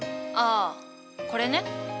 ああこれね。